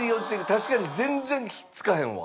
確かに全然ひっつかへんわ。